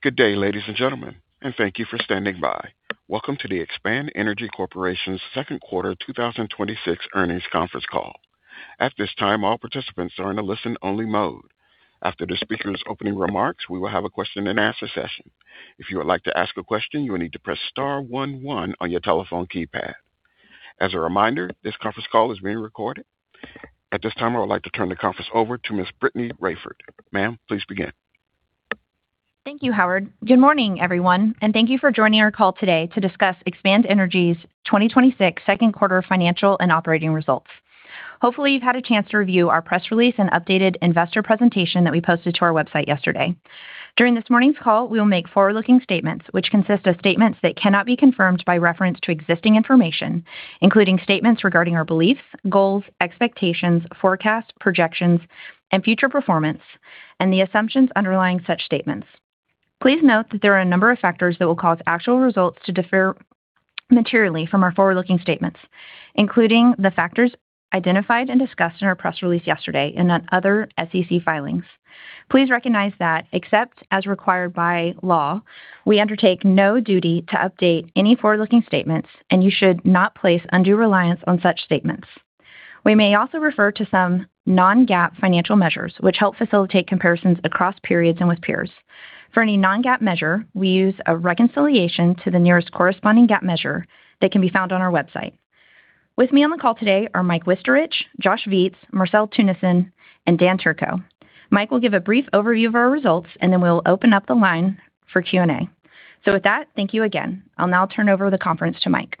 Good day, ladies and gentlemen, and thank you for standing by. Welcome to the Expand Energy Corporation's Second Quarter 2026 Earnings Conference Call. At this time, all participants are in a listen-only mode. After the speaker's opening remarks, we will have a question-and-answer session. If you would like to ask a question, you will need to press star one one on your telephone keypad. As a reminder, this conference call is being recorded. At this time, I would like to turn the conference over to Ms. Brittany Raiford. Ma'am, please begin. Thank you, Howard. Good morning, everyone, and thank you for joining our call today to discuss Expand Energy's 2026 second quarter financial and operating results. Hopefully, you've had a chance to review our press release and updated investor presentation that we posted to our website yesterday. During this morning's call, we'll make forward-looking statements, which consist of statements that cannot be confirmed by reference to existing information, including statements regarding our beliefs, goals, expectations, forecasts, projections, and future performance, and the assumptions underlying such statements. Please note that there are a number of factors that will cause actual results to differ materially from our forward-looking statements, including the factors identified and discussed in our press release yesterday and on other SEC filings. Please recognize that except as required by law, we undertake no duty to update any forward-looking statements, and you should not place undue reliance on such statements. We may also refer to some non-GAAP financial measures, which help facilitate comparisons across periods and with peers. For any non-GAAP measure, we use a reconciliation to the nearest corresponding GAAP measure that can be found on our website. With me on the call today are Mike Wichterich, Josh Viets, Marcel Teunissen, and Dan Turco. Mike will give a brief overview of our results, and then we'll open up the line for Q&A. With that, thank you again. I'll now turn over the conference to Mike.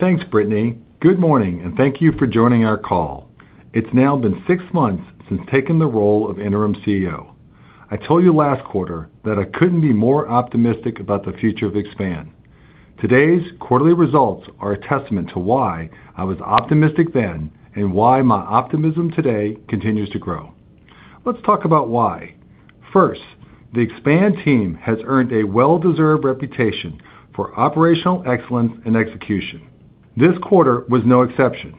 Thanks, Brittany. Good morning, and thank you for joining our call. It's now been six months since taking the role of interim CEO. I told you last quarter that I couldn't be more optimistic about the future of Expand. Today's quarterly results are a testament to why I was optimistic then and why my optimism today continues to grow. Let's talk about why. First, the Expand team has earned a well-deserved reputation for operational excellence and execution. This quarter was no exception.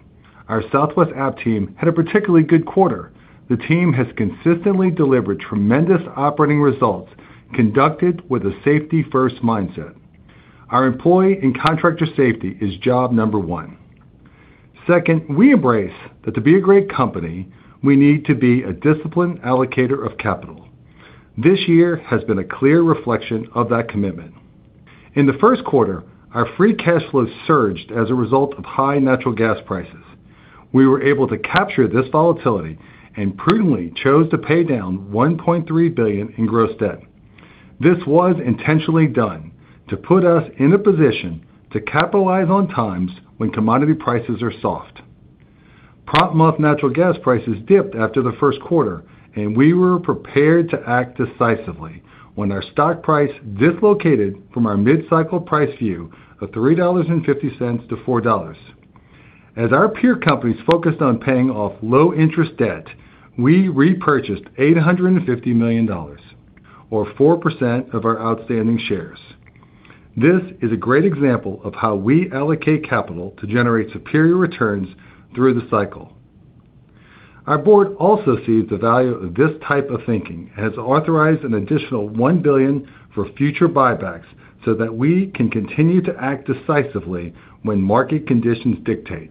Our Southwest App team had a particularly good quarter. The team has consistently delivered tremendous operating results conducted with a safety-first mindset. Our employee and contractor safety is job number one. Second, we embrace that to be a great company, we need to be a disciplined allocator of capital. This year has been a clear reflection of that commitment. In the first quarter, our free cash flow surged as a result of high natural gas prices. We were able to capture this volatility and prudently chose to pay down $1.3 billion in gross debt. This was intentionally done to put us in a position to capitalize on times when commodity prices are soft. Prop month natural gas prices dipped after the first quarter, and we were prepared to act decisively when our stock price dislocated from our mid-cycle price view of $3.50-$4.00. As our peer companies focused on paying off low-interest debt, we repurchased $850 million, or 4% of our outstanding shares. This is a great example of how we allocate capital to generate superior returns through the cycle. Our board also sees the value of this type of thinking and has authorized an additional $1 billion for future buybacks so that we can continue to act decisively when market conditions dictate.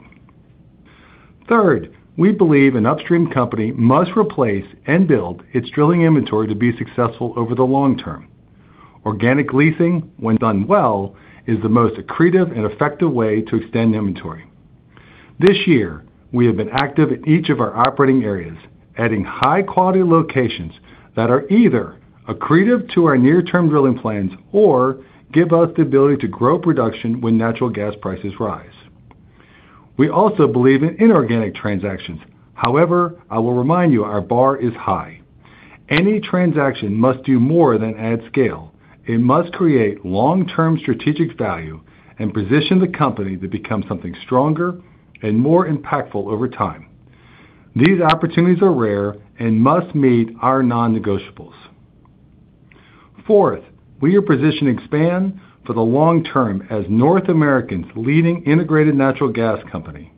Third, we believe an upstream company must replace and build its drilling inventory to be successful over the long term. Organic leasing, when done well, is the most accretive and effective way to extend inventory. This year, we have been active in each of our operating areas, adding high-quality locations that are either accretive to our near-term drilling plans or give us the ability to grow production when natural gas prices rise. We also believe in inorganic transactions. However, I will remind you, our bar is high. Any transaction must do more than add scale. It must create long-term strategic value and position the company to become something stronger and more impactful over time. These opportunities are rare and must meet our non-negotiables. Fourth, we are positioning Expand for the long term as North America's leading integrated natural gas company.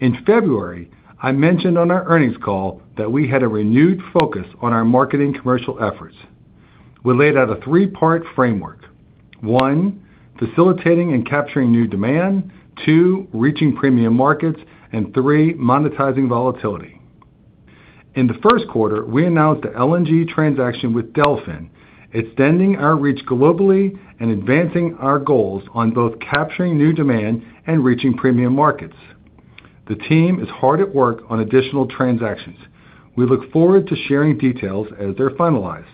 In February, I mentioned on our earnings call that we had a renewed focus on our Marketing & Commercial efforts. We laid out a three-part framework. One. Facilitating and capturing new demand. Two. Reaching premium markets. Three. Monetizing volatility. In the first quarter, we announced the LNG transaction with Delfin, extending our reach globally and advancing our goals on both capturing new demand and reaching premium markets. The team is hard at work on additional transactions. We look forward to sharing details as they're finalized.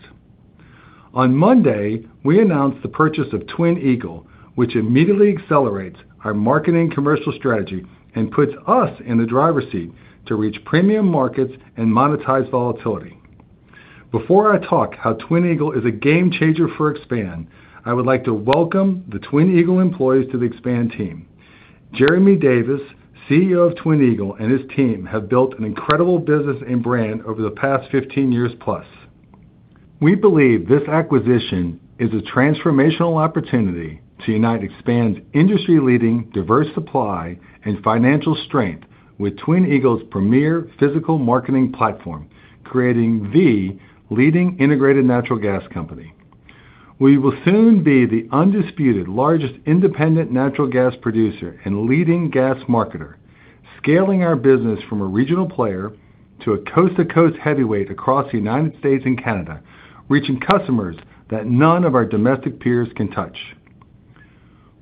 On Monday, we announced the purchase of Twin Eagle, which immediately accelerates our Marketing & Commercial strategy and puts us in the driver's seat to reach premium markets and monetize volatility. Before I talk how Twin Eagle is a game-changer for Expand, I would like to welcome the Twin Eagle employees to the Expand team. Jeremy Davis, CEO of Twin Eagle, and his team have built an incredible business and brand over the past 15 years plus. We believe this acquisition is a transformational opportunity to unite Expand's industry-leading diverse supply and financial strength with Twin Eagle's premier physical marketing platform, creating the leading integrated natural gas company. We will soon be the undisputed largest independent natural gas producer and leading gas marketer, scaling our business from a regional player to a coast-to-coast heavyweight across the U.S. and Canada, reaching customers that none of our domestic peers can touch.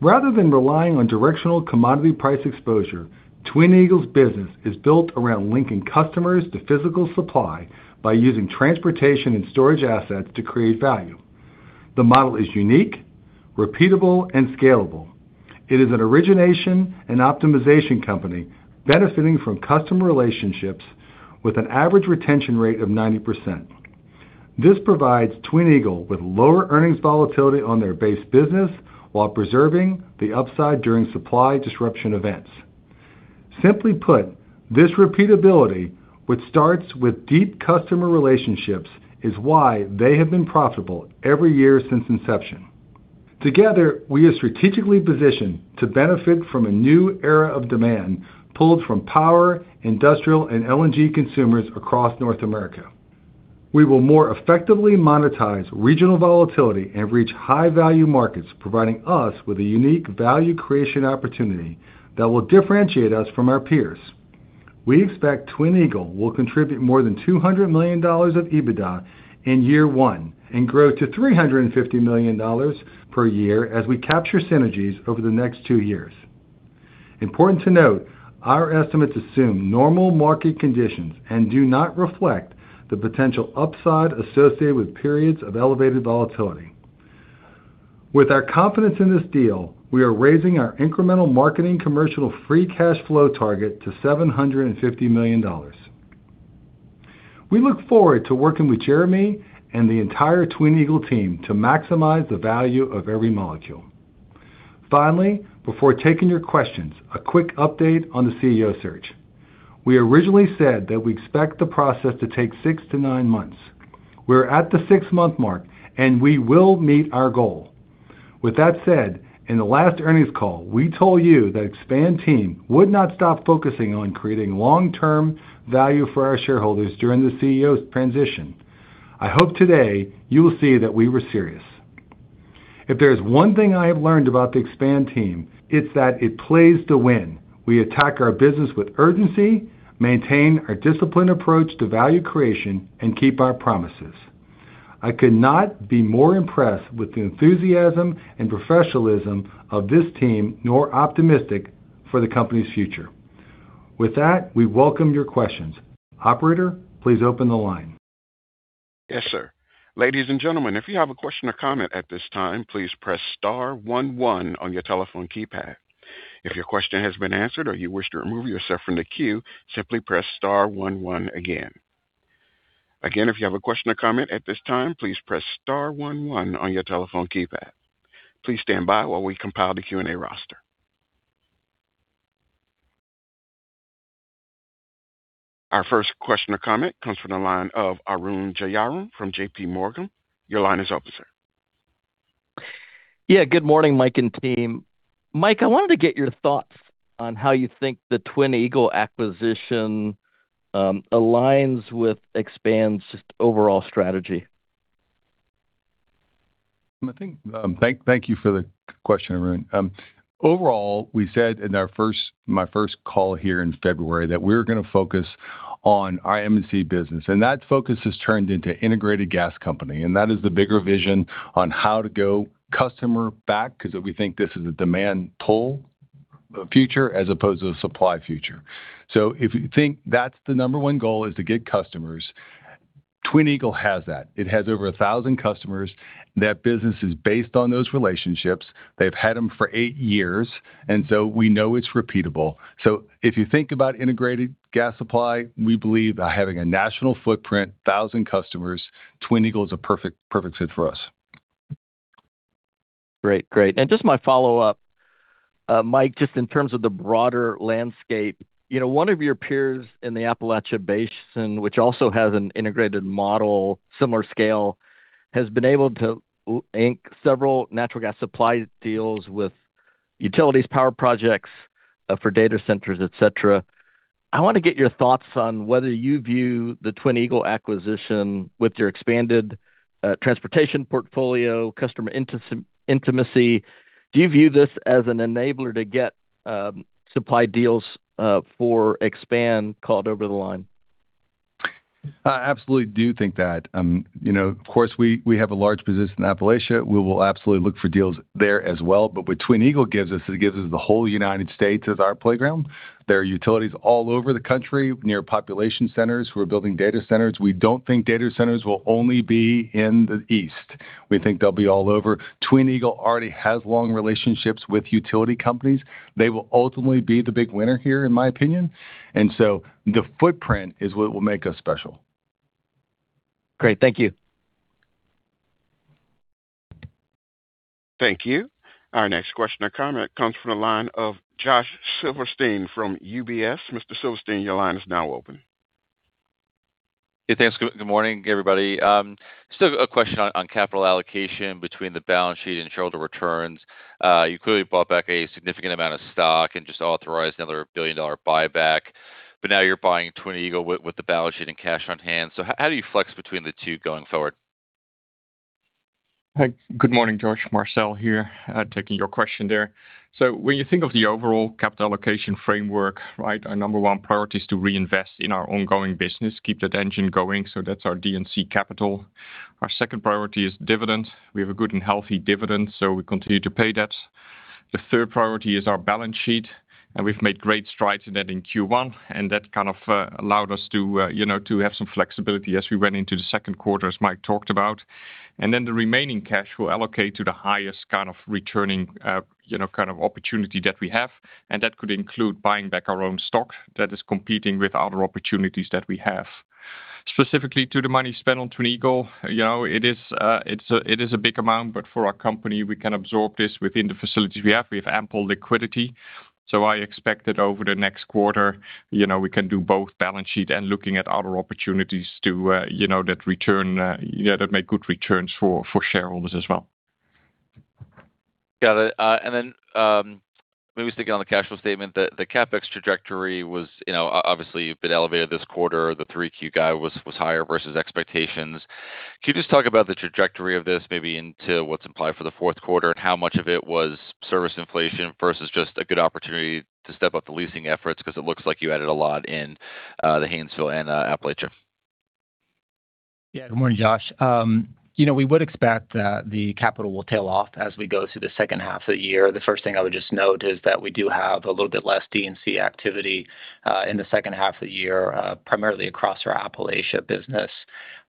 Rather than relying on directional commodity price exposure, Twin Eagle's business is built around linking customers to physical supply by using transportation and storage assets to create value. The model is unique, repeatable, and scalable. It is an origination and optimization company benefiting from customer relationships with an average retention rate of 90%. This provides Twin Eagle with lower earnings volatility on their base business while preserving the upside during supply disruption events. Simply put, this repeatability, which starts with deep customer relationships, is why they have been profitable every year since inception. Together, we are strategically positioned to benefit from a new era of demand pulled from power, industrial, and LNG consumers across North America. We will more effectively monetize regional volatility and reach high-value markets, providing us with a unique value creation opportunity that will differentiate us from our peers. We expect Twin Eagle will contribute more than $200 million of EBITDA in year one and grow to $350 million per year as we capture synergies over the next two years. Important to note, our estimates assume normal market conditions and do not reflect the potential upside associated with periods of elevated volatility. With our confidence in this deal, we are raising our incremental marketing commercial free cash flow target to $750 million. We look forward to working with Jeremy and the entire Twin Eagle team to maximize the value of every molecule. Finally, before taking your questions, a quick update on the CEO search. We originally said that we expect the process to take six to nine months. We are at the six-month mark, and we will meet our goal. In the last earnings call, we told you that Expand team would not stop focusing on creating long-term value for our shareholders during the CEO's transition. I hope today you will see that we were serious. If there is one thing I have learned about the Expand team, it is that it plays to win. We attack our business with urgency, maintain a disciplined approach to value creation, and keep our promises. I could not be more impressed with the enthusiasm and professionalism of this team nor optimistic for the company's future. We welcome your questions. Operator, please open the line. Yes, sir. Ladies and gentlemen, if you have a question or comment at this time, please press star one one on your telephone keypad. If your question has been answered or you wish to remove yourself from the queue, simply press star one one again. Our first question or comment comes from the line of Arun Jayaram from JPMorgan. Your line is open, sir. good morning, Mike and team. Mike, I wanted to get your thoughts on how you think the Twin Eagle acquisition aligns with Expand's overall strategy. Thank you for the question, Arun. We said in my first call here in February that we're going to focus on our M&C business, that focus has turned into integrated gas company, that is the bigger vision on how to go customer back because we think this is a demand pull future as opposed to a supply future. If you think that's the number one goal is to get customers, Twin Eagle has that. It has over 1,000 customers. That business is based on those relationships. They've had them for eight years, we know it's repeatable. If you think about integrated gas supply, we believe by having a national footprint, 1,000 customers, Twin Eagle is a perfect fit for us. Great. Just my follow-up, Mike, just in terms of the broader landscape, one of your peers in the Appalachia Basin, which also has an integrated model, similar scale, has been able to ink several natural gas supply deals with utilities, power projects for data centers, et cetera. I want to get your thoughts on whether you view the Twin Eagle acquisition with your expanded transportation portfolio, customer intimacy. Do you view this as an enabler to get supply deals for Expand called over the line? I absolutely do think that. Of course, we have a large position in Appalachia. We will absolutely look for deals there as well. What Twin Eagle gives us, it gives us the whole United States as our playground. There are utilities all over the country near population centers who are building data centers. We don't think data centers will only be in the East. We think they'll be all over. Twin Eagle already has long relationships with utility companies. They will ultimately be the big winner here, in my opinion. The footprint is what will make us special. Great. Thank you. Thank you. Our next question or comment comes from the line of Josh Silverstein from UBS. Mr. Silverstein, your line is now open. Hey, thanks. Good morning, everybody. Still got a question on capital allocation between the balance sheet and shareholder returns. You clearly bought back a significant amount of stock and just authorized another $1 billion buyback, now you're buying Twin Eagle with the balance sheet and cash on hand. How do you flex between the two going forward? Hey, good morning, Josh. Marcel here, taking your question there. When you think of the overall capital allocation framework, our number one priority is to reinvest in our ongoing business, keep that engine going. That's our D&C capital. Our second priority is dividends. We have a good and healthy dividend, we continue to pay that. The third priority is our balance sheet, we've made great strides in that in Q1. That kind of allowed us to have some flexibility as we went into the second quarter, as Mike talked about. The remaining cash we'll allocate to the highest kind of returning opportunity that we have, and that could include buying back our own stock that is competing with other opportunities that we have. Specifically to the money spent on Twin Eagle, it is a big amount, but for our company, we can absorb this within the facilities we have. We have ample liquidity. I expect that over the next quarter, we can do both balance sheet and looking at other opportunities that make good returns for shareholders as well. Got it. Maybe sticking on the cash flow statement, the CapEx trajectory was obviously a bit elevated this quarter. The 3Q guide was higher versus expectations. Can you just talk about the trajectory of this, maybe into what's implied for the fourth quarter, and how much of it was service inflation versus just a good opportunity to step up the leasing efforts? Because it looks like you added a lot in the Haynesville and Appalachia. Good morning, Josh. We would expect that the capital will tail off as we go through the second half of the year. The first thing I would just note is that we do have a little bit less D&C activity in the second half of the year, primarily across our Appalachia business.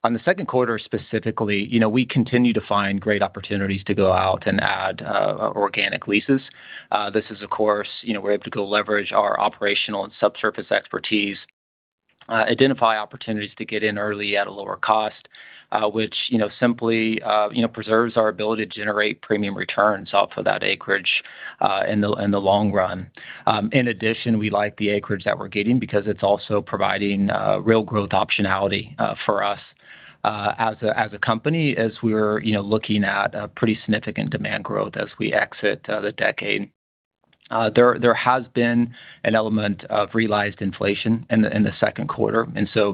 On the second quarter specifically, we continue to find great opportunities to go out and add organic leases. This is, of course, we're able to go leverage our operational and subsurface expertise, identify opportunities to get in early at a lower cost, which simply preserves our ability to generate premium returns off of that acreage in the long run. In addition, we like the acreage that we're getting because it's also providing real growth optionality for us as a company, as we're looking at a pretty significant demand growth as we exit the decade. There has been an element of realized inflation in the second quarter,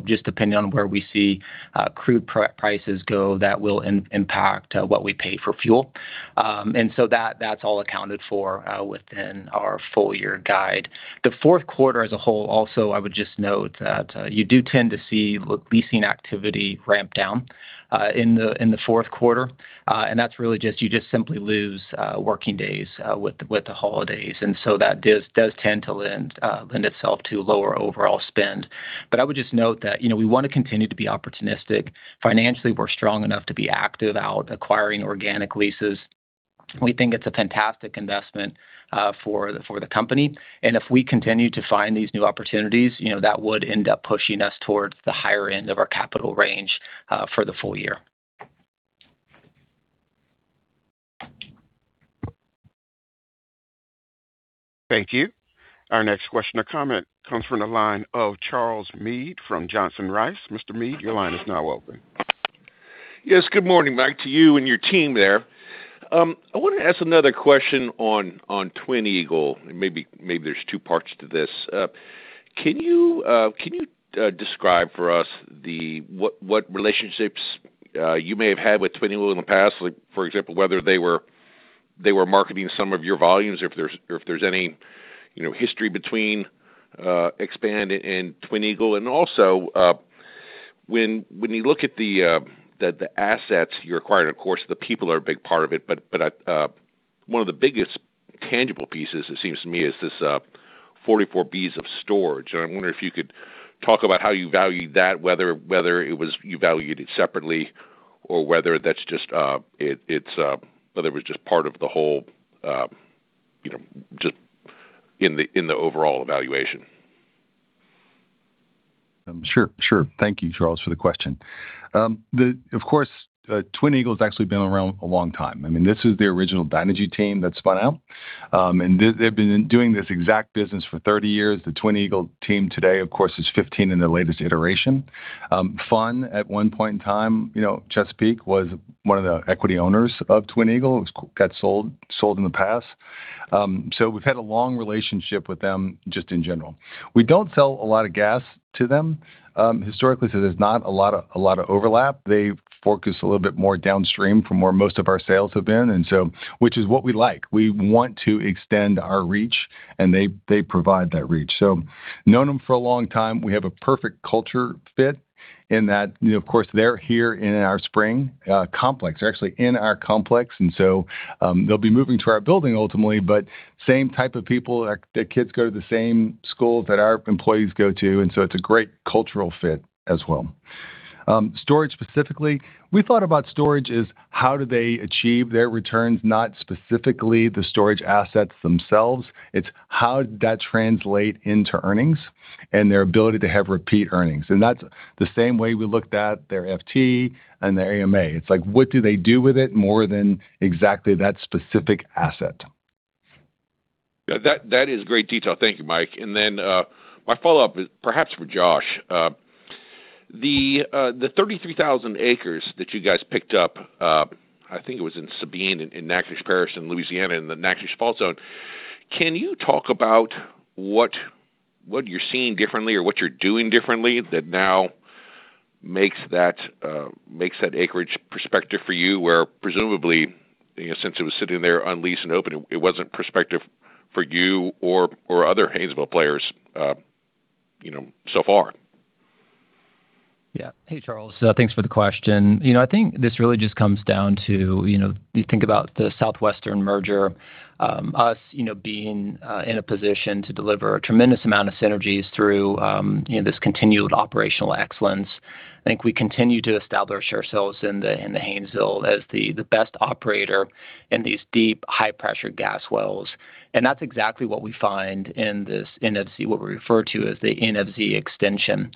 just depending on where we see crude prices go, that will impact what we pay for fuel. That's all accounted for within our full year guide. The fourth quarter as a whole, also, I would just note that you do tend to see leasing activity ramp down in the fourth quarter. That's really just, you just simply lose working days with the holidays, that does tend to lend itself to lower overall spend. I would just note that we want to continue to be opportunistic. Financially, we're strong enough to be active out acquiring organic leases. We think it's a fantastic investment for the company. If we continue to find these new opportunities, that would end up pushing us towards the higher end of our capital range for the full year. Thank you. Our next question or comment comes from the line of Charles Meade from Johnson Rice. Mr. Meade, your line is now open. Yes. Good morning, Mike, to you and your team there. I want to ask another question on Twin Eagle. Maybe there's two parts to this. Can you describe for us what relationships you may have had with Twin Eagle in the past? For example, whether they were marketing some of your volumes or if there's any history between Expand and Twin Eagle. Also, when you look at the assets you acquired, of course, the people are a big part of it, but one of the biggest tangible pieces, it seems to me, is this 44 Bcf of storage. I wonder if you could talk about how you valued that, whether you valued it separately or whether it was just part of the whole in the overall evaluation. Sure. Thank you, Charles, for the question. Of course, Twin Eagle has actually been around a long time. I mean, this is the original Dynegy team that spun out. They've been doing this exact business for 30 years. The Twin Eagle team today, of course, is 15 in their latest iteration. Fun, at one point in time, Chesapeake was one of the equity owners of Twin Eagle, got sold in the past. We've had a long relationship with them just in general. We don't sell a lot of gas to them. Historically, there's not a lot of overlap. They focus a little bit more downstream from where most of our sales have been, which is what we like. We want to extend our reach, and they provide that reach. Known them for a long time. We have a perfect culture fit in that, of course, they're here in our Spring complex. They're actually in our complex, they'll be moving to our building ultimately, but same type of people. Their kids go to the same school that our employees go to, it's a great cultural fit as well. Storage specifically, we thought about storage as how do they achieve their returns, not specifically the storage assets themselves. It's how did that translate into earnings and their ability to have repeat earnings. That's the same way we looked at their FT and their AMA. It's like, what do they do with it more than exactly that specific asset. That is great detail. Thank you, Mike. My follow-up is perhaps for Josh. The 33,000 acres that you guys picked up, I think it was in Sabine, in Natchitoches Parish in Louisiana in the Natchitoches Fault Zone. Can you talk about what you're seeing differently or what you're doing differently that now makes that acreage prospective for you, where presumably, since it was sitting there unleased and open, it wasn't prospective for you or other Haynesville players so far? Hey, Charles. Thanks for the question. I think this really just comes down to, you think about the Southwestern merger, us being in a position to deliver a tremendous amount of synergies through this continued operational excellence. I think we continue to establish ourselves in the Haynesville as the best operator in these deep, high-pressure gas wells. That's exactly what we find in what we refer to as the NFZ extension.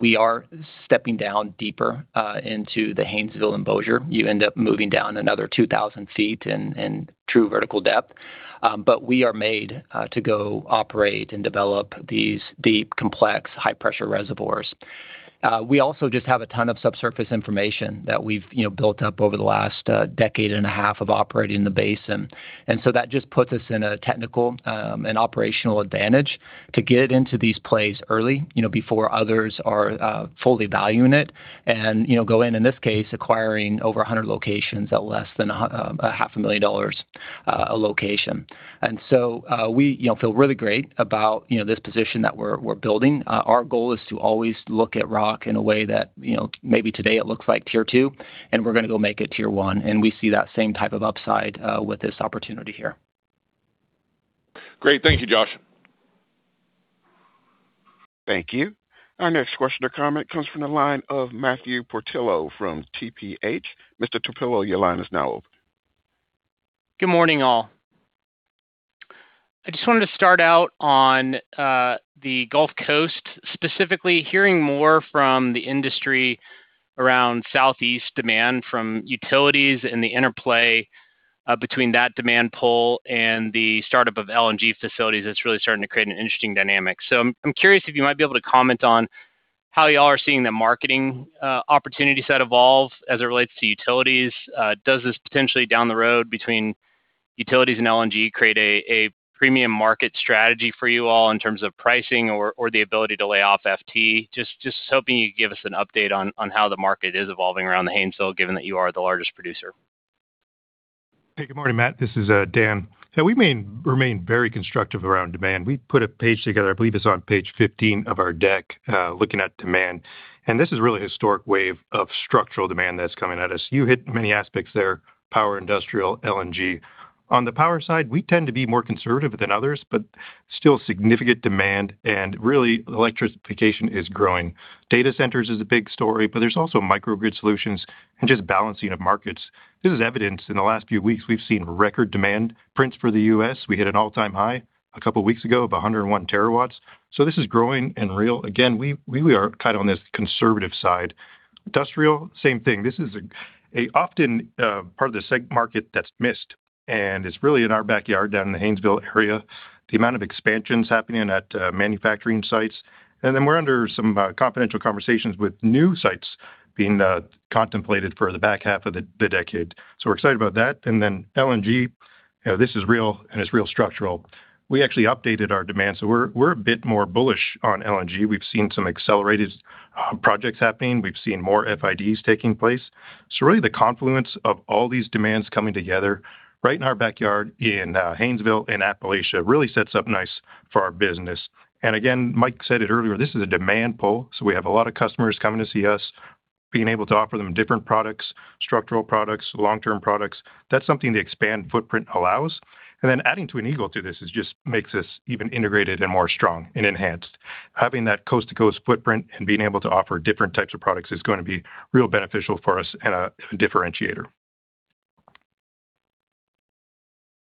We are stepping down deeper into the Haynesville and Bossier. You end up moving down another 2,000 ft in true vertical depth. We are made to go operate and develop these deep, complex, high-pressure reservoirs. We also just have a ton of subsurface information that we've built up over the last decade and a half of operating in the basin. That just puts us in a technical and operational advantage to get into these plays early, before others are fully valuing it. Go in this case, acquiring over 100 locations at less than a half a million dollars a location. We feel really great about this position that we're building. Our goal is to always look at rock in a way that, maybe today it looks like tier 2, and we're going to go make it tier 1. We see that same type of upside with this opportunity here. Great. Thank you, Josh. Thank you. Our next question or comment comes from the line of Matthew Portillo from TPH. Mr. Portillo, your line is now open. Good morning, all. I just wanted to start out on the Gulf Coast, specifically hearing more from the industry around Southeast demand from utilities and the interplay between that demand pull and the startup of LNG facilities, that's really starting to create an interesting dynamic. I'm curious if you might be able to comment on how you all are seeing the marketing opportunity set evolve as it relates to utilities. Does this potentially down the road between utilities and LNG create a premium market strategy for you all in terms of pricing or the ability to lay off FT? Just hoping you could give us an update on how the market is evolving around the Haynesville, given that you are the largest producer. Hey, good morning, Matt. This is Dan. Yeah, we remain very constructive around demand. We put a page together, I believe it's on page 15 of our deck, looking at demand. This is really a historic wave of structural demand that's coming at us. You hit many aspects there, power, industrial, LNG. On the power side, we tend to be more conservative than others, but still significant demand and really electrification is growing. Data centers is a big story, but there's also microgrid solutions and just balancing of markets. This is evidenced in the last few weeks, we've seen record demand prints for the U.S. We hit an all-time high a couple of weeks ago of 101 TW. This is growing and real. Again, we are on this conservative side. Industrial, same thing. This is an often part of the market that's missed, and it's really in our backyard down in the Haynesville area. The amount of expansions happening at manufacturing sites. We're under some confidential conversations with new sites being contemplated for the back half of the decade. We're excited about that. LNG, this is real and it's real structural. We actually updated our demand, we're a bit more bullish on LNG. We've seen some accelerated projects happening. We've seen more FIDs taking place. Really the confluence of all these demands coming together right in our backyard in Haynesville and Appalachia really sets up nice for our business. Again, Mike said it earlier, this is a demand pull, we have a lot of customers coming to see us. Being able to offer them different products, structural products, long-term products, that's something the Expand footprint allows. Adding Twin Eagle to this just makes us even integrated and more strong and enhanced. Having that coast-to-coast footprint and being able to offer different types of products is going to be real beneficial for us and a differentiator.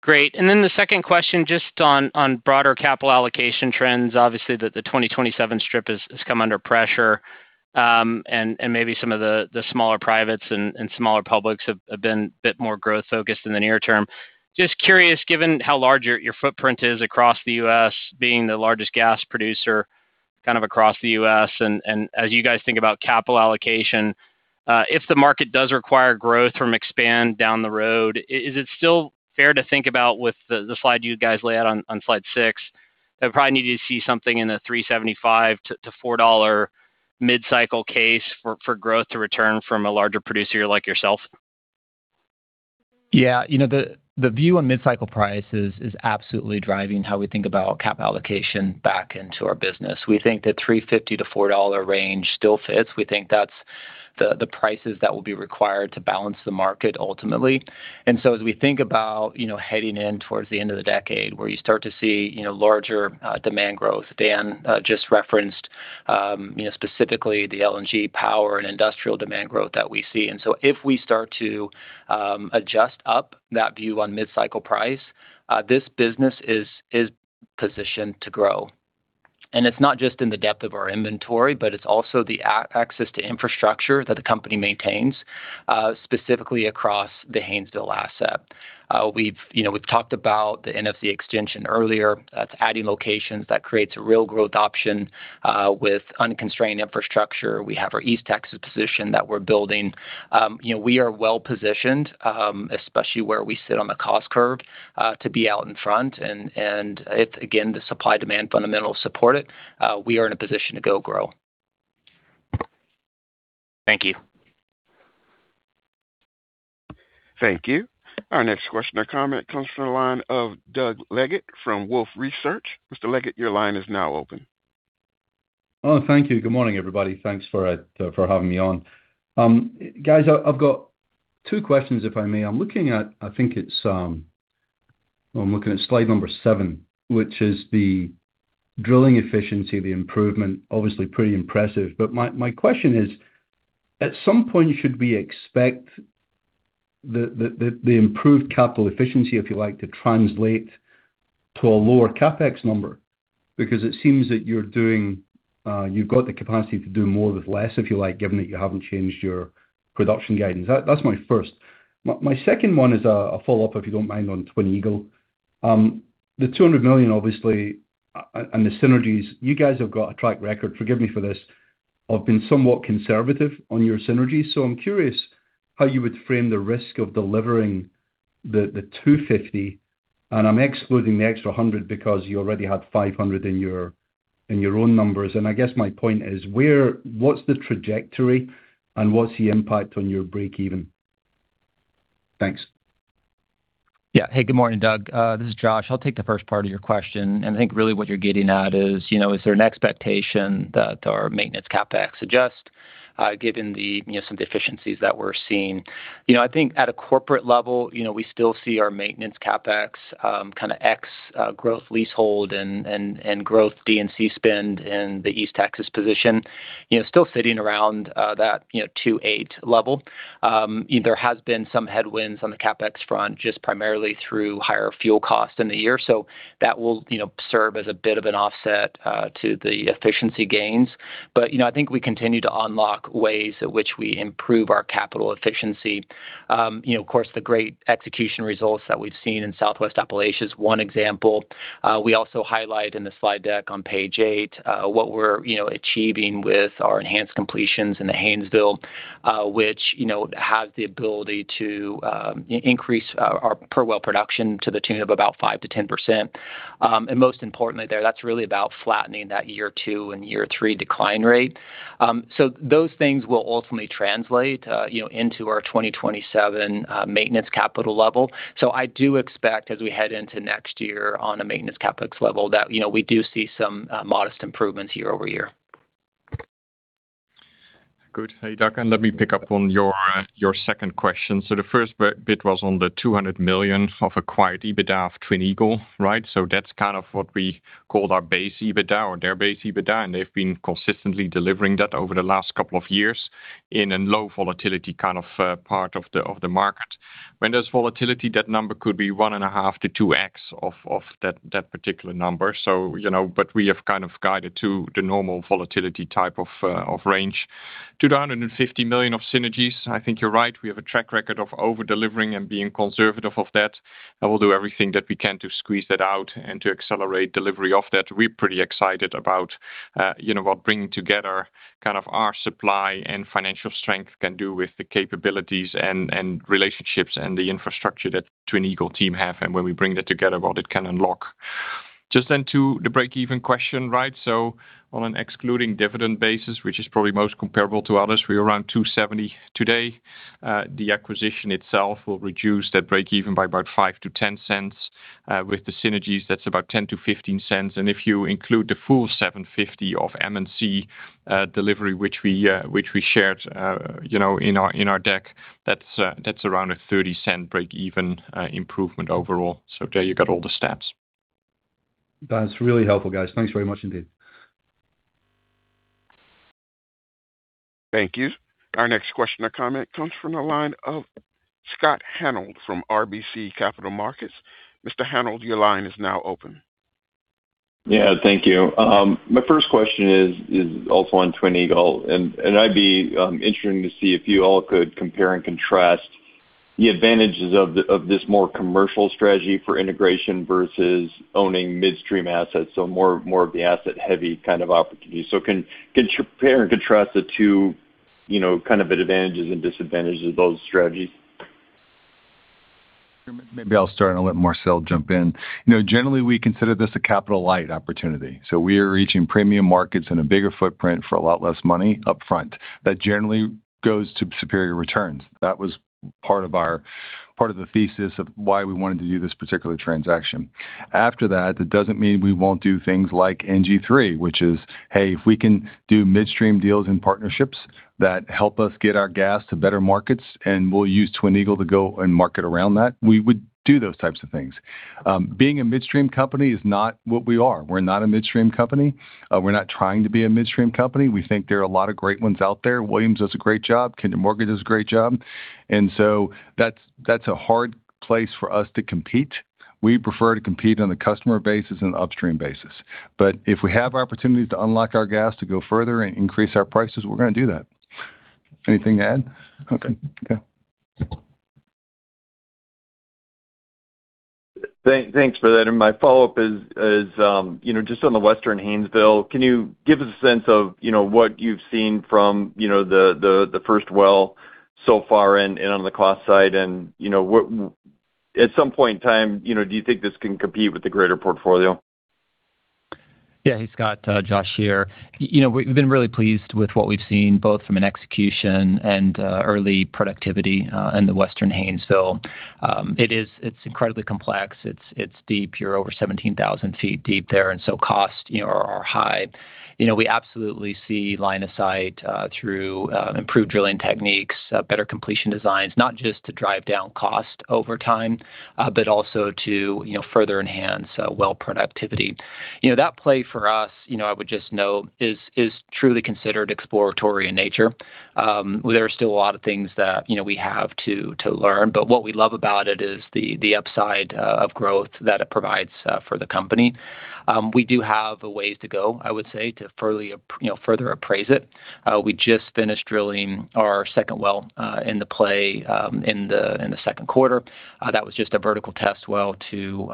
Great. The second question, just on broader capital allocation trends. Obviously, the 2027 strip has come under pressure, maybe some of the smaller privates and smaller publics have been a bit more growth-focused in the near term. Just curious, given how large your footprint is across the U.S., being the largest gas producer across the U.S., as you guys think about capital allocation, if the market does require growth from Expand down the road, is it still fair to think about with the slide you guys lay out on slide six, that we probably need to see something in the $3.75-$4 mid-cycle case for growth to return from a larger producer like yourself? Yeah. The view on mid-cycle price is absolutely driving how we think about cap allocation back into our business. We think the $3.50-$4 range still fits. We think that's the prices that will be required to balance the market ultimately. As we think about heading in towards the end of the decade, where you start to see larger demand growth, Dan just referenced specifically the LNG power and industrial demand growth that we see. If we start to adjust up that view on mid-cycle price, this business is positioned to grow. It's not just in the depth of our inventory, but it's also the access to infrastructure that the company maintains, specifically across the Haynesville asset. We've talked about the NFZ extension earlier. That's adding locations. That creates a real growth option with unconstrained infrastructure. We have our East Texas position that we're building. We are well-positioned, especially where we sit on the cost curve, to be out in front and, again, the supply-demand fundamentals support it. We are in a position to go grow. Thank you. Thank you. Our next question or comment comes from the line of Doug Leggate from Wolfe Research. Mr. Leggate, your line is now open. Oh, thank you. Good morning, everybody. Thanks for having me on. Guys, I've got two questions, if I may. I'm looking at slide number seven, which is the drilling efficiency, the improvement, obviously pretty impressive. My question is, at some point, should we expect the improved capital efficiency, if you like, to translate to a lower CapEx number? Because it seems that you've got the capacity to do more with less, if you like, given that you haven't changed your production guidance. That's my first. My second one is a follow-up, if you don't mind, on Twin Eagle. The $200 million, obviously, and the synergies, you guys have got a track record, forgive me for this, of being somewhat conservative on your synergies. I'm curious how you would frame the risk of delivering the $250, and I'm excluding the extra $100 because you already had $500 in your own numbers. I guess my point is, what's the trajectory, and what's the impact on your breakeven? Thanks. Yeah. Hey, good morning, Doug. This is Josh. I'll take the first part of your question. I think really what you're getting at is there an expectation that our maintenance CapEx adjust, given some efficiencies that we're seeing? I think at a corporate level, we still see our maintenance CapEx ex growth leasehold and growth D&C spend in the East Texas position, still sitting around that 2.8 level. There has been some headwinds on the CapEx front, just primarily through higher fuel costs in the year. That will serve as a bit of an offset to the efficiency gains. I think we continue to unlock ways in which we improve our capital efficiency. Of course, the great execution results that we've seen in Southwest Appalachia is one example. We also highlight in the slide deck on page eight what we're achieving with our enhanced completions in the Haynesville, which has the ability to increase our per-well production to the tune of about 5%-10%. Most importantly, there, that's really about flattening that year two and year three decline rate. Those things will ultimately translate into our 2027 maintenance capital level. I do expect as we head into next year on a maintenance CapEx level that we do see some modest improvements year-over-year. Good. Hey, Doug, let me pick up on your second question. The first bit was on the $200 million of acquired EBITDA of Twin Eagle, right? That's kind of what we call our base EBITDA or their base EBITDA, and they've been consistently delivering that over the last couple of years in a low volatility kind of part of the market. When there's volatility, that number could be 1.5x-2x of that particular number. We have kind of guided to the normal volatility type of range. $250 million of synergies. I think you're right. We have a track record of over-delivering and being conservative of that. We'll do everything that we can to squeeze that out and to accelerate delivery of that. We're pretty excited about what bringing together kind of our supply and financial strength can do with the capabilities and relationships and the infrastructure that Twin Eagle team have, and when we bring that together, what it can unlock. Just to the breakeven question, right? On an excluding dividend basis, which is probably most comparable to others, we're around $2.70 today. The acquisition itself will reduce that breakeven by about $0.05 to $0.10. With the synergies, that's about $0.10 to $0.15. And if you include the full $750 of M&C delivery, which we shared in our deck, that's around a $0.30 breakeven improvement overall. There you got all the steps. That's really helpful, guys. Thanks very much indeed. Thank you. Our next question or comment comes from the line of Scott Hanold from RBC Capital Markets. Mr. Hanold, your line is now open. Thank you. My first question is also on Twin Eagle, and I'd be interested to see if you all could compare and contrast the advantages of this more commercial strategy for integration versus owning midstream assets, so more of the asset-heavy kind of opportunity. Compare and contrast the two kind of advantages and disadvantages of those strategies. Maybe I'll start and let Marcel jump in. Generally, we consider this a capital-light opportunity. We are reaching premium markets and a bigger footprint for a lot less money up front. That generally goes to superior returns. That was part of the thesis of why we wanted to do this particular transaction. After that doesn't mean we won't do things like NG3, which is, hey, if we can do midstream deals and partnerships that help us get our gas to better markets, and we'll use Twin Eagle to go and market around that, we would do those types of things. Being a midstream company is not what we are. We're not a midstream company. We're not trying to be a midstream company. We think there are a lot of great ones out there. Williams does a great job. Kinder Morgan does a great job. That's a hard place for us to compete. We prefer to compete on a customer basis and upstream basis. If we have opportunities to unlock our gas to go further and increase our prices, we're going to do that. Thanks for that. My follow-up is, just on the Western Haynesville, can you give us a sense of what you've seen from the first well so far and on the cost side? At some point in time, do you think this can compete with the greater portfolio? Hey, Scott. Josh here. We've been really pleased with what we've seen, both from an execution and early productivity, in the Western Haynesville. It's incredibly complex. It's deep. You're over 17,000 ft deep there, so costs are high. We absolutely see line of sight through improved drilling techniques, better completion designs, not just to drive down cost over time, but also to further enhance well productivity. That play for us, I would just note, is truly considered exploratory in nature. There are still a lot of things that we have to learn, but what we love about it is the upside of growth that it provides for the company. We do have a ways to go, I would say, to further appraise it. We just finished drilling our second well in the play in the second quarter. That was just a vertical test well to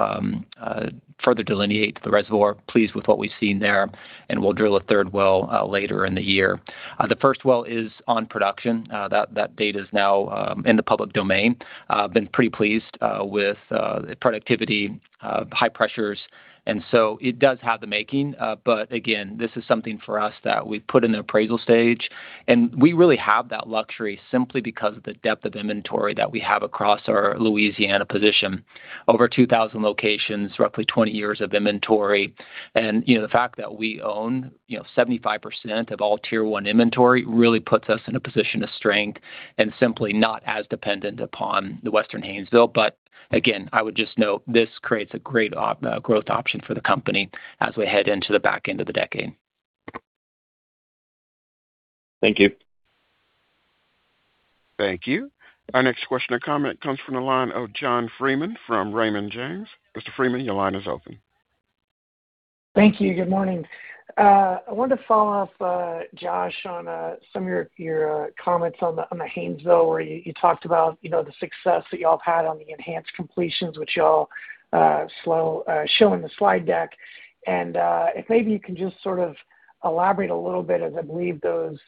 further delineate the reservoir. Pleased with what we've seen there, we'll drill a third well later in the year. The first well is on production. That data is now in the public domain. Been pretty pleased with productivity, high pressures, so it does have the making. Again, this is something for us that we've put in an appraisal stage, we really have that luxury simply because of the depth of inventory that we have across our Louisiana position. Over 2,000 locations, roughly 20 years of inventory. The fact that we own 75% of all tier 1 inventory really puts us in a position of strength and simply not as dependent upon the Western Haynesville. Again, I would just note, this creates a great growth option for the company as we head into the back end of the decade. Thank you. Thank you. Our next question or comment comes from the line of John Freeman from Raymond James. Mr. Freeman, your line is open. Thank you. Good morning. I wanted to follow up, Josh, on some of your comments on the Haynesville, where you talked about the success that y'all have had on the enhanced completions, which y'all show in the slide deck. If maybe you can just elaborate a little bit, as I believe the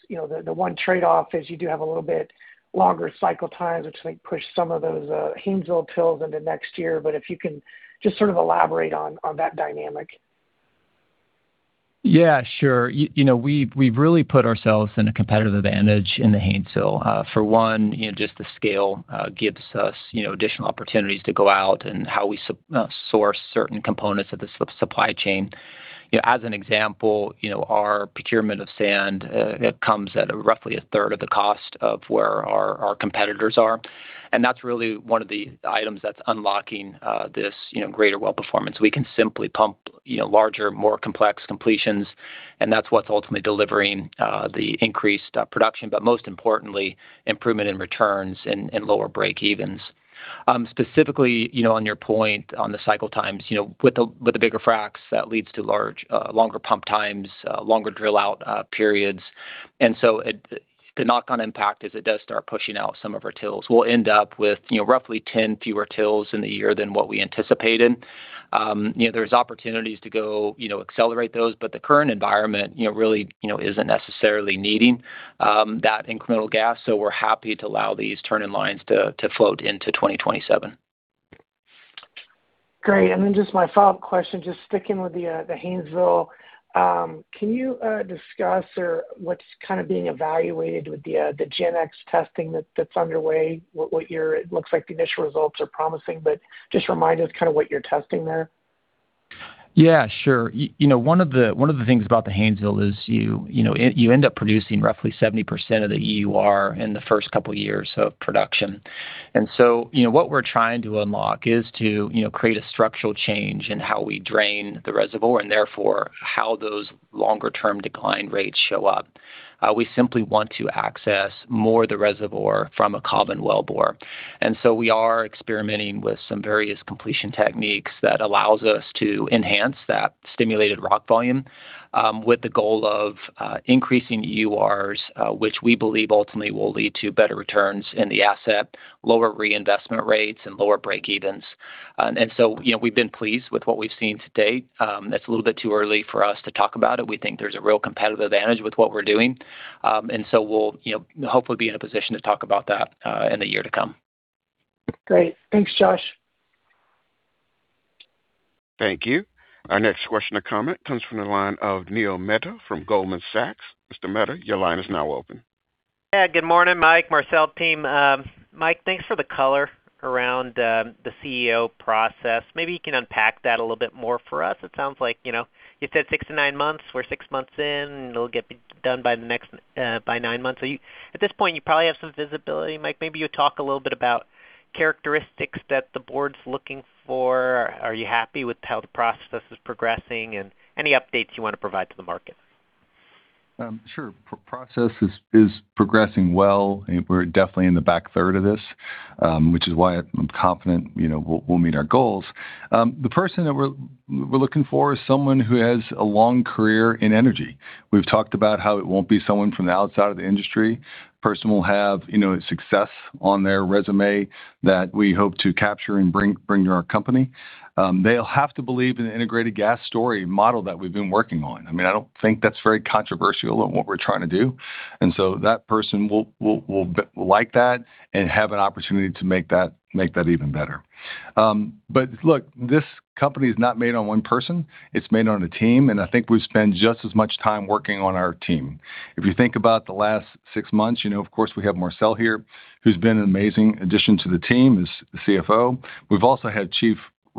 one trade-off is you do have a little bit longer cycle times, which might push some of those Haynesville tills into next year. If you can just elaborate on that dynamic. Yeah, sure. We've really put ourselves in a competitive advantage in the Haynesville. For one, just the scale gives us additional opportunities to go out and how we source certain components of the supply chain. As an example, our procurement of sand comes at roughly a 1/3 of the cost of where our competitors are, and that's really one of the items that's unlocking this greater well performance. We can simply pump larger, more complex completions, and that's what's ultimately delivering the increased production. Most importantly, improvement in returns and lower breakevens. Specifically, on your point on the cycle times, with the bigger fracs, that leads to longer pump times, longer drill-out periods. The knock-on impact is it does start pushing out some of our tills. We'll end up with roughly 10 fewer tills in the year than what we anticipated. There's opportunities to go accelerate those, the current environment really isn't necessarily needing that incremental gas. We're happy to allow these turn-in-lines to float into 2027. Great. Just my follow-up question, just sticking with the Haynesville. Can you discuss what's being evaluated with the Gen-X testing that's underway? It looks like the initial results are promising, but just remind us what you're testing there. Yeah, sure. One of the things about the Haynesville is you end up producing roughly 70% of the EUR in the first couple of years of production. What we're trying to unlock is to create a structural change in how we drain the reservoir and therefore how those longer-term decline rates show up. We simply want to access more of the reservoir from a common wellbore. We are experimenting with some various completion techniques that allows us to enhance that stimulated rock volume with the goal of increasing EURs, which we believe ultimately will lead to better returns in the asset, lower reinvestment rates, and lower breakevens. We've been pleased with what we've seen to date. It's a little bit too early for us to talk about it. We think there's a real competitive advantage with what we're doing. We'll hopefully be in a position to talk about that in the year to come. Great. Thanks, Josh. Thank you. Our next question or comment comes from the line of Neil Mehta from Goldman Sachs. Mr. Mehta, your line is now open. Yeah, good morning, Mike, Marcel team. Mike, thanks for the color around the CEO process. Maybe you can unpack that a little bit more for us. It sounds like you said six to nine months. We're six months in. It'll get done by nine months. At this point, you probably have some visibility, Mike. Maybe you talk a little bit about characteristics that the board's looking for. Are you happy with how the process is progressing? Any updates you want to provide to the market? Sure. Process is progressing well. We're definitely in the back third of this. Which is why I'm confident we'll meet our goals. The person that we're looking for is someone who has a long career in energy. We've talked about how it won't be someone from the outside of the industry. Person will have success on their resume that we hope to capture and bring to our company. They'll have to believe in the integrated gas story model that we've been working on. I don't think that's very controversial in what we're trying to do. That person will like that and have an opportunity to make that even better. Look, this company is not made on one person. It's made on a team, and I think we've spent just as much time working on our team. If you think about the last six months, of course, we have Marcel here, who's been an amazing addition to the team as CFO. We've also had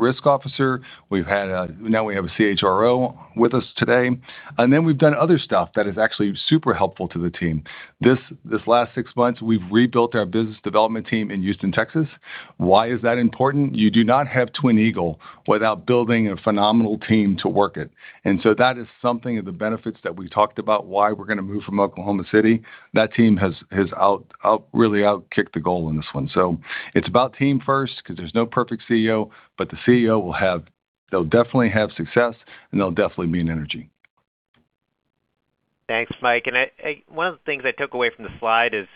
Chief Risk Officer. Now we have a CHRO with us today. We've done other stuff that is actually super helpful to the team. This last six months, we've rebuilt our business development team in Houston, Texas. Why is that important? You do not have Twin Eagle without building a phenomenal team to work it. That is something of the benefits that we talked about why we're going to move from Oklahoma City. That team has really outkicked the goal on this one. It's about team first because there's no perfect CEO, the CEO will definitely have success, and they'll definitely be in energy. Thanks, Mike. One of the things I took away from the slide is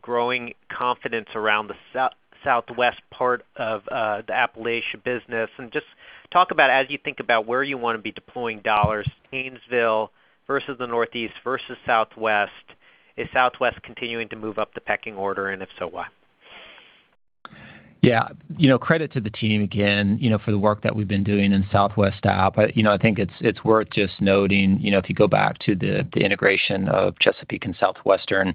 growing confidence around the Southwest part of the Appalachia business. Just talk about as you think about where you want to be deploying dollars, Haynesville versus the Northeast versus Southwest. Is Southwest continuing to move up the pecking order, and if so, why? Yeah. Credit to the team again, for the work that we've been doing in Southwest App. I think it's worth just noting, if you go back to the integration of Chesapeake and Southwestern,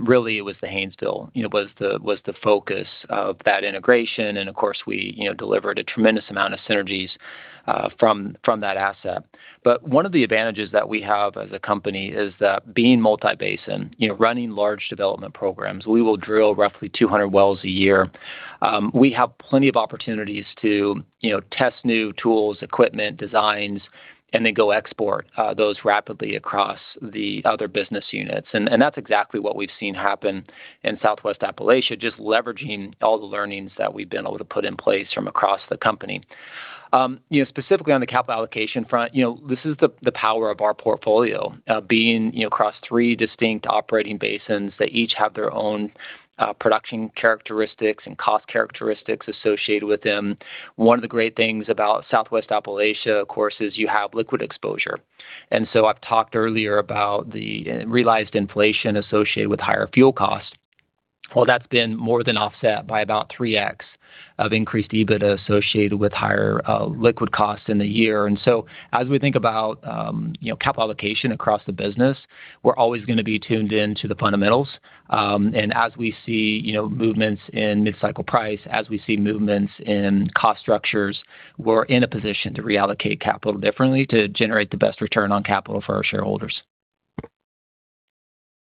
really it was the Haynesville, was the focus of that integration. Of course, we delivered a tremendous amount of synergies from that asset. One of the advantages that we have as a company is that being multi-basin, running large development programs, we will drill roughly 200 wells a year. We have plenty of opportunities to test new tools, equipment, designs, then go export those rapidly across the other business units. That's exactly what we've seen happen in Southwest Appalachia, just leveraging all the learnings that we've been able to put in place from across the company. Specifically on the capital allocation front, this is the power of our portfolio. Being across three distinct operating basins that each have their own production characteristics and cost characteristics associated with them. One of the great things about Southwest Appalachia, of course, is you have liquid exposure. So I've talked earlier about the realized inflation associated with higher fuel costs. Well, that's been more than offset by about 3x of increased EBITDA associated with higher liquid costs in the year. So as we think about capital allocation across the business, we're always going to be tuned in to the fundamentals. As we see movements in mid-cycle price, as we see movements in cost structures, we're in a position to reallocate capital differently to generate the best return on capital for our shareholders.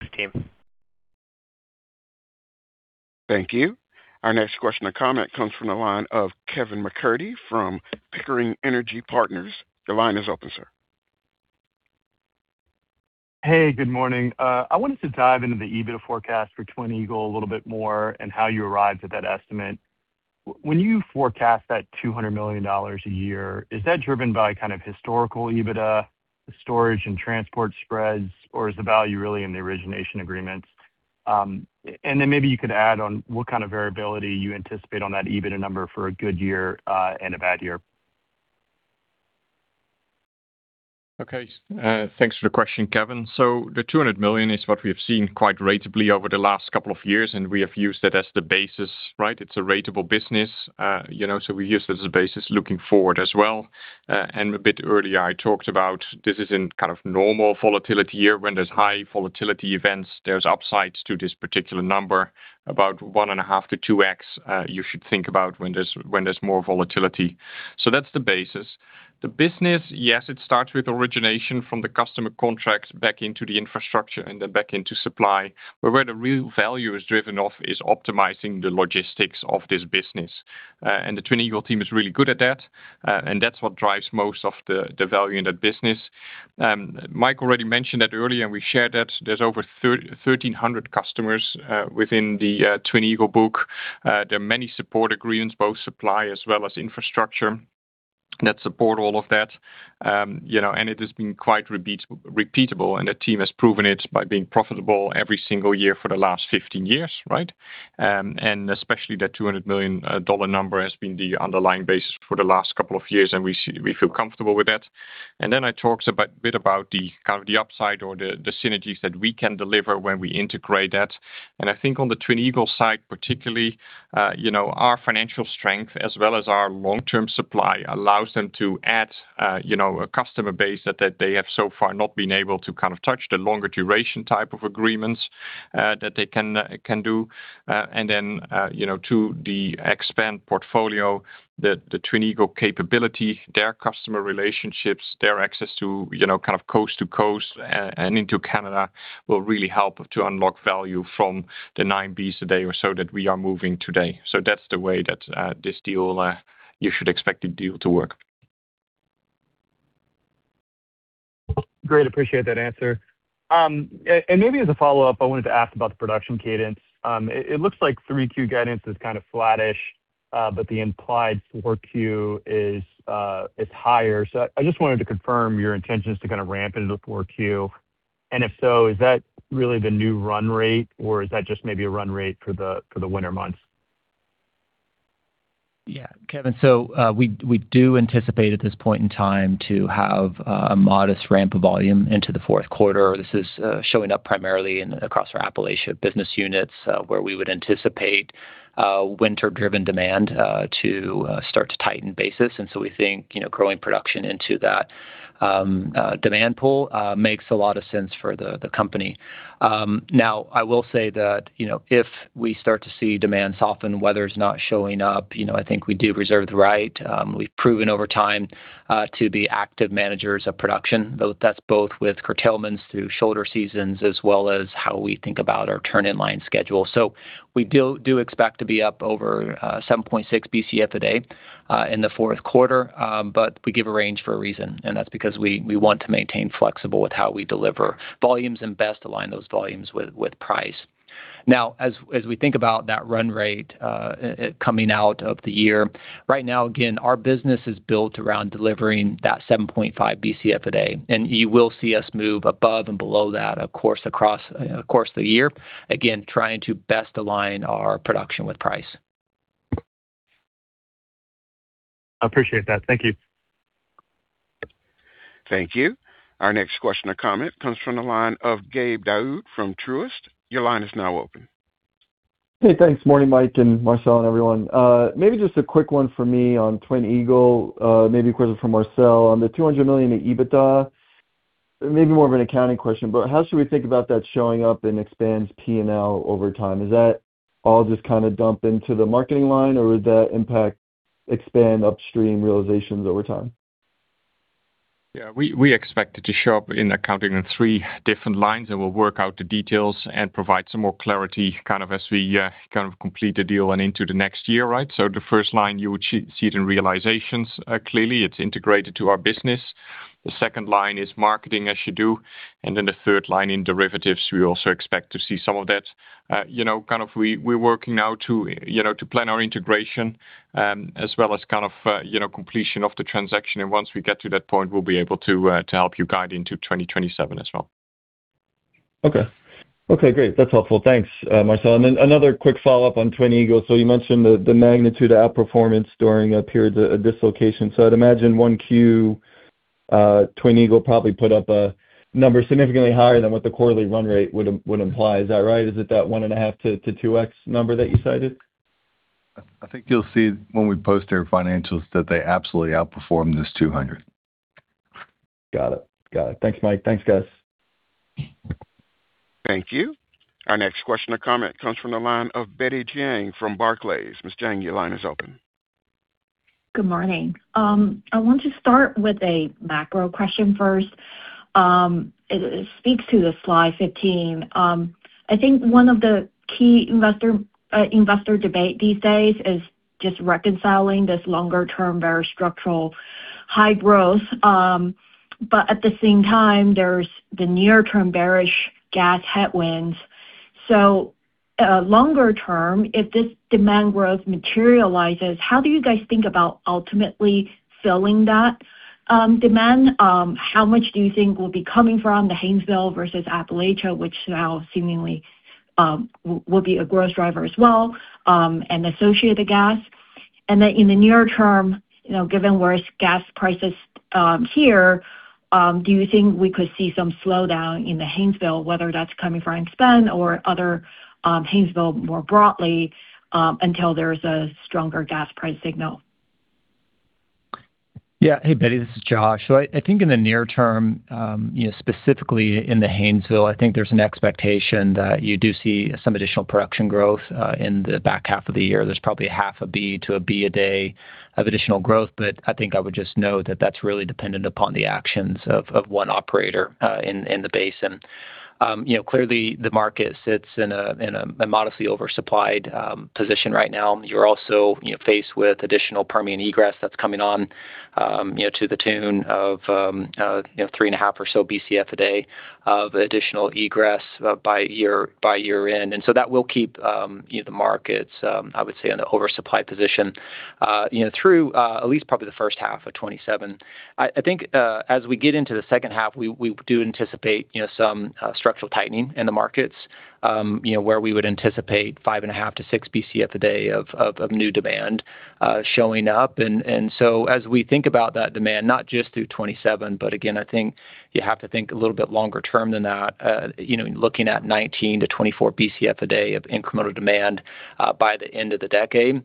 Thanks, team. Thank you. Our next question or comment comes from the line of Kevin MacCurdy from Pickering Energy Partners. Your line is open, sir. Hey, good morning. I wanted to dive into the EBITDA forecast for Twin Eagle a little bit more and how you arrived at that estimate. When you forecast that $200 million a year, is that driven by kind of historical EBITDA, the storage and transport spreads, or is the value really in the origination agreements? Then maybe you could add on what kind of variability you anticipate on that EBITDA number for a good year, and a bad year. Okay. Thanks for the question, Kevin. The $200 million is what we have seen quite ratably over the last couple of years, and we have used that as the basis, right? It's a ratable business, so we use it as a basis looking forward as well. A bit earlier I talked about this is in kind of normal volatility year. When there's high volatility events, there's upsides to this particular number, about 1.5x-2x, you should think about when there's more volatility. That's the basis. The business, yes, it starts with origination from the customer contracts back into the infrastructure and then back into supply. Where the real value is driven off is optimizing the logistics of this business. The Twin Eagle team is really good at that. That's what drives most of the value in that business. Mike already mentioned that earlier, and we shared that there's over 1,300 customers within the Twin Eagle book. There are many support agreements, both supply as well as infrastructure, that support all of that. It has been quite repeatable, and the team has proven it by being profitable every single year for the last 15 years, right? Especially that $200 million number has been the underlying basis for the last couple of years, and we feel comfortable with that. Then I talked a bit about the kind of the upside or the synergies that we can deliver when we integrate that. I think on the Twin Eagle side, particularly, our financial strength as well as our long-term supply allows them to add a customer base that they have so far not been able to kind of touch the longer duration type of agreements that they can do. To the Expand portfolio, the Twin Eagle capability, their customer relationships, their access to kind of coast to coast and into Canada will really help to unlock value from the 9 Bcf a day or so that we are moving today. That's the way that this deal, you should expect the deal to work. Great. Appreciate that answer. Maybe as a follow-up, I wanted to ask about the production cadence. It looks like 3Q guidance is kind of flattish, but the implied 4Q is higher. I just wanted to confirm your intentions to kind of ramp into the 4Q. If so, is that really the new run rate, or is that just maybe a run rate for the winter months? Yeah, Kevin. We do anticipate at this point in time to have a modest ramp of volume into the fourth quarter. This is showing up primarily across our Appalachia business units, where we would anticipate winter-driven demand to start to tighten basis. We think growing production into that demand pool makes a lot of sense for the company. I will say that if we start to see demand soften, weather's not showing up, I think we do reserve the right. We've proven over time, to be active managers of production. That's both with curtailments through shoulder seasons as well as how we think about our turn-in-line schedule. We do expect to be up over 7.6 Bcf a day in the fourth quarter. We give a range for a reason, and that's because we want to maintain flexible with how we deliver volumes and best align those volumes with price. As we think about that run rate coming out of the year, right now, again, our business is built around delivering that 7.5 Bcf a day, you will see us move above and below that, of course, across the year, again, trying to best align our production with price. Appreciate that. Thank you. Thank you. Our next question or comment comes from the line of Gabe Daoud from Truist. Your line is now open. Hey, thanks. Morning, Mike and Marcel and everyone. Maybe just a quick one for me on Twin Eagle, maybe a question for Marcel on the $200 million in EBITDA. Maybe more of an accounting question, but how should we think about that showing up in Expand Energy's P&L over time? Is that all just kind of dump into the marketing line, or would that impact Expand Energy upstream realizations over time? Yeah. We expect it to show up in accounting in three different lines, and we'll work out the details and provide some more clarity as we complete the deal and into the next year. Right? The first line, you would see it in realizations. Clearly, it's integrated to our business. The second line is marketing, as you do. The third line in derivatives, we also expect to see some of that. We're working now to plan our integration, as well as completion of the transaction. Once we get to that point, we'll be able to help you guide into 2027 as well. Okay, great. That's helpful. Thanks, Marcel. Another quick follow-up on Twin Eagle. You mentioned the magnitude of outperformance during periods of dislocation. I'd imagine 1Q, Twin Eagle probably put up a number significantly higher than what the quarterly run rate would imply. Is that right? Is it that 1.5x to 2x number that you cited? I think you'll see when we post their financials that they absolutely outperformed this 200x. Got it. Got it. Thanks, Mike. Thanks, guys. Thank you. Our next question or comment comes from the line of Betty Jiang from Barclays. Ms. Jiang, your line is open. Good morning. I want to start with a macro question first. It speaks to the slide 15. I think one of the key investor debate these days is just reconciling this longer-term, very structural high growth. At the same time, there's the near-term bearish gas headwinds. Longer term, if this demand growth materializes, how do you guys think about ultimately filling that demand? How much do you think will be coming from the Haynesville versus Appalachia, which now seemingly will be a growth driver as well, and associated gas? In the near term, given worse gas prices here, do you think we could see some slowdown in the Haynesville, whether that's coming from Expand or other Haynesville more broadly, until there's a stronger gas price signal? Yeah. Hey, Betty, this is Josh. I think in the near term, specifically in the Haynesville, I think there's an expectation that you do see some additional production growth in the back half of the year. There's probably 0.5 Bcf-1 Bcf a day of additional growth, but I think I would just note that that's really dependent upon the actions of one operator in the basin. Clearly, the market sits in a modestly oversupplied position right now. You're also faced with additional Permian egress that's coming on to the tune of 3.5 or so Bcf a day of additional egress by year-end. That will keep the markets, I would say, in an oversupply position through at least probably the first half of 2027. I think as we get into the second half, we do anticipate some structural tightening in the markets where we would anticipate 5.5 Bcf-6 Bcf a day of new demand showing up. As we think about that demand, not just through 2027, but again, I think you have to think a little bit longer term than that. Looking at 19 Bcf-24 Bcf a day of incremental demand by the end of the decade.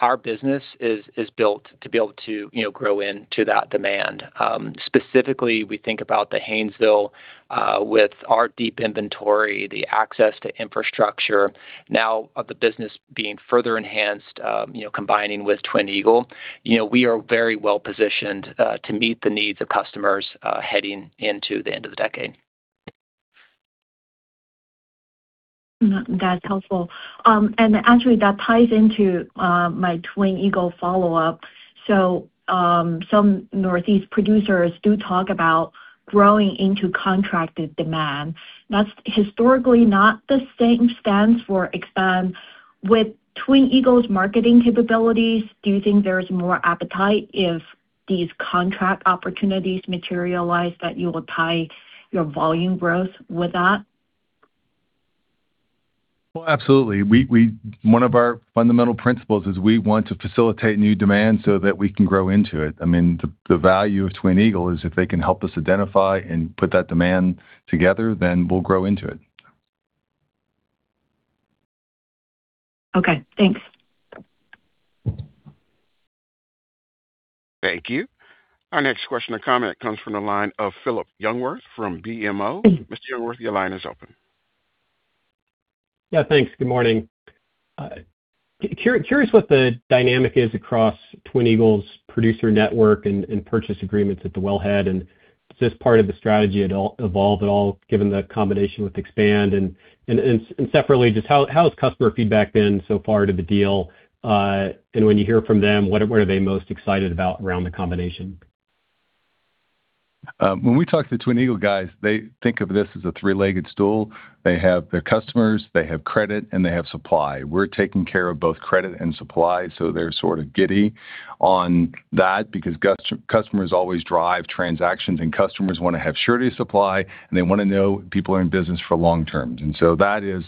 Our business is built to be able to grow into that demand. Specifically, we think about the Haynesville with our deep inventory, the access to infrastructure now of the business being further enhanced combining with Twin Eagle. We are very well positioned to meet the needs of customers heading into the end of the decade. That's helpful. Actually, that ties into my Twin Eagle follow-up. Some Northeast producers do talk about growing into contracted demand. That's historically not the same stance for Expand. With Twin Eagle's marketing capabilities, do you think there's more appetite if these contract opportunities materialize, that you will tie your volume growth with that? Well, absolutely. One of our fundamental principles is we want to facilitate new demand so that we can grow into it. The value of Twin Eagle is if they can help us identify and put that demand together, then we'll grow into it. Okay, thanks. Thank you. Our next question or comment comes from the line of Phillip Jungwirth from BMO. Mr. Jungwirth, your line is open. Yeah, thanks. Good morning. Curious what the dynamic is across Twin Eagle's producer network and purchase agreements at the wellhead, is this part of the strategy evolved at all given the combination with Expand? Separately, just how has customer feedback been so far to the deal? When you hear from them, what are they most excited about around the combination? When we talk to the Twin Eagle guys, they think of this as a three-legged stool. They have their customers, they have credit, and they have supply. We're taking care of both credit and supply. They're sort of giddy on that because customers always drive transactions and customers want to have surety supply, and they want to know people are in business for long-term. That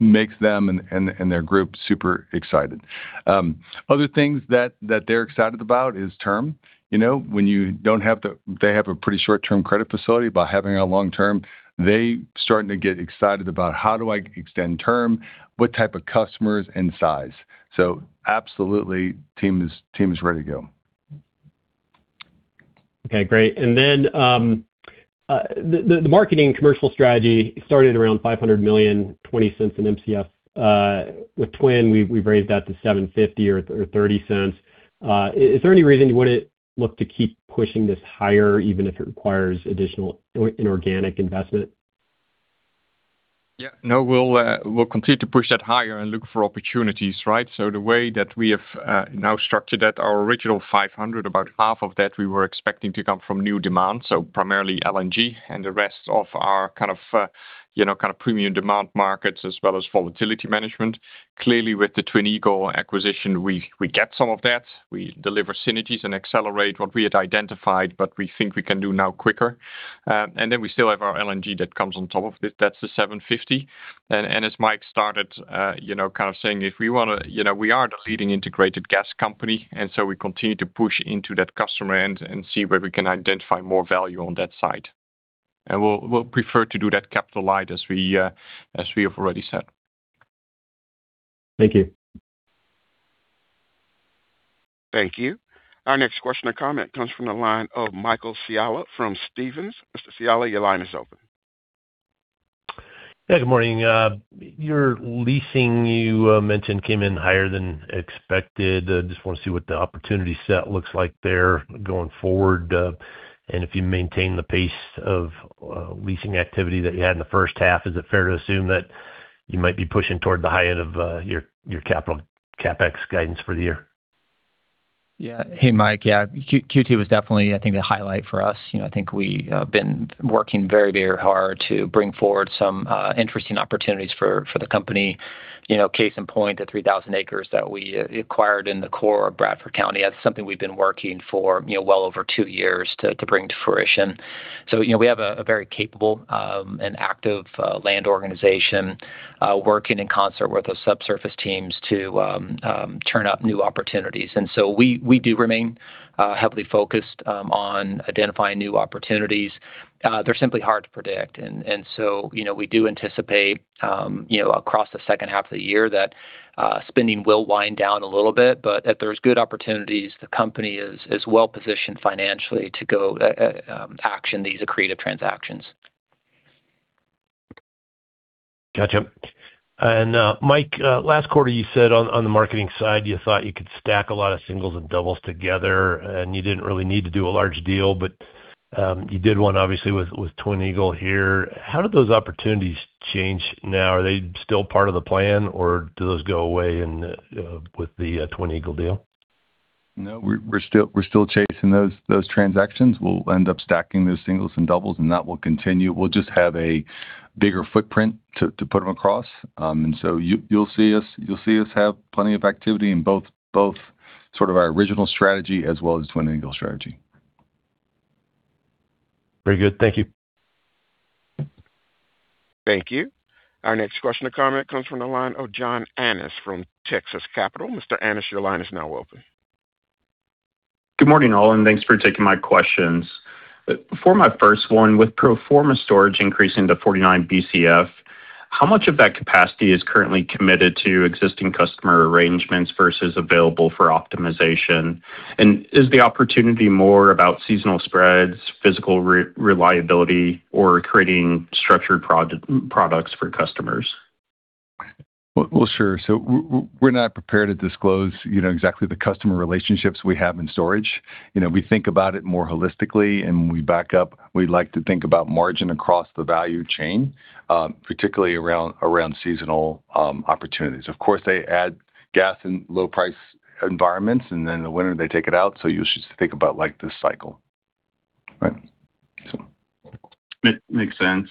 makes them and their group super excited. Other things that they're excited about is term. They have a pretty short-term credit facility. By having a long-term, they starting to get excited about how do I extend term, what type of customers, and size. Absolutely, team is ready to go. Okay, great. The marketing commercial strategy started around $500 million, $0.20 an Mcf. With Twin, we've raised that to $750 or $0.30. Is there any reason you wouldn't look to keep pushing this higher, even if it requires additional inorganic investment? Yeah, no, we'll continue to push that higher and look for opportunities, right? The way that we have now structured that, our original $500, about half of that we were expecting to come from new demand, so primarily LNG, and the rest of our kind of premium demand markets, as well as volatility management. Clearly, with the Twin Eagle acquisition, we get some of that. We deliver synergies and accelerate what we had identified, but we think we can do now quicker. We still have our LNG that comes on top of it. That's the $750. As Mike started kind of saying, we are the leading integrated gas company, we continue to push into that customer end and see where we can identify more value on that side. We'll prefer to do that capital light, as we have already said. Thank you. Thank you. Our next question or comment comes from the line of Michael Scialla from Stephens. Mr. Scialla, your line is open. Yeah, good morning. Your leasing, you mentioned, came in higher than expected. I just want to see what the opportunity set looks like there going forward. If you maintain the pace of leasing activity that you had in the first half, is it fair to assume that you might be pushing toward the high end of your CapEx guidance for the year? Yeah. Hey, Mike. Yeah, Q2 was definitely, I think, the highlight for us. I think we have been working very hard to bring forward some interesting opportunities for the company. Case in point, the 3,000 acres that we acquired in the core of Bradford County. That's something we've been working for well over two years to bring to fruition. We have a very capable and active land organization working in concert with those subsurface teams to turn up new opportunities. We do remain heavily focused on identifying new opportunities. They're simply hard to predict. We do anticipate across the second half of the year that spending will wind down a little bit, but that there's good opportunities. The company is well-positioned financially to go action these accretive transactions. Gotcha. Mike, last quarter, you said on the marketing side, you thought you could stack a lot of singles and doubles together and you didn't really need to do a large deal, but you did one, obviously, with Twin Eagle here. How did those opportunities change now? Are they still part of the plan, or do those go away with the Twin Eagle deal? No, we're still chasing those transactions. We'll end up stacking those singles and doubles, and that will continue. We'll just have a bigger footprint to put them across. You'll see us have plenty of activity in both sort of our original strategy as well as Twin Eagle strategy. Very good. Thank you. Thank you. Our next question or comment comes from the line of John Annis from Texas Capital. Mr. Annis, your line is now open. Good morning, all, and thanks for taking my questions. For my first one, with pro forma storage increasing to 49 Bcf, how much of that capacity is currently committed to existing customer arrangements versus available for optimization? Is the opportunity more about seasonal spreads, physical reliability, or creating structured products for customers? Well, sure. We're not prepared to disclose exactly the customer relationships we have in storage. We think about it more holistically, and when we back up, we like to think about margin across the value chain, particularly around seasonal opportunities. Of course, they add gas in low-price environments, and then in the winter, they take it out, so you should think about this cycle. Makes sense.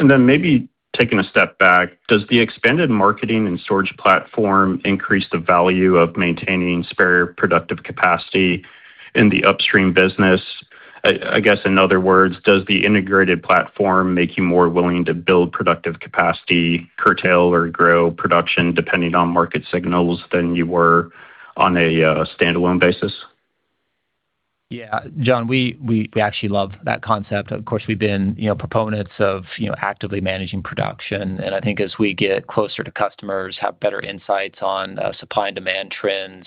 Maybe taking a step back, does the expanded marketing and storage platform increase the value of maintaining spare productive capacity in the upstream business? I guess in other words, does the integrated platform make you more willing to build productive capacity, curtail, or grow production depending on market signals than you were on a standalone basis? Yeah. John, we actually love that concept. Of course, we've been proponents of actively managing production, and I think as we get closer to customers, have better insights on supply and demand trends,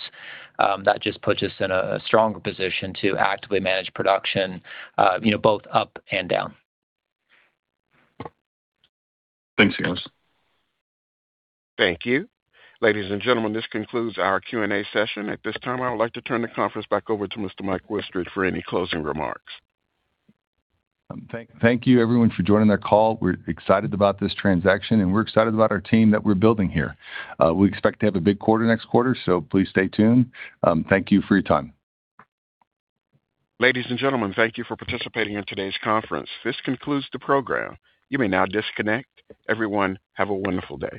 that just puts us in a stronger position to actively manage production both up and down. Thanks, guys. Thank you. Ladies and gentlemen, this concludes our Q&A session. At this time, I would like to turn the conference back over to Mr. Mike Wichterich for any closing remarks. Thank you everyone for joining our call. We're excited about this transaction, we're excited about our team that we're building here. We expect to have a big quarter next quarter, please stay tuned. Thank you for your time. Ladies and gentlemen, thank you for participating in today's conference. This concludes the program. You may now disconnect. Everyone, have a wonderful day.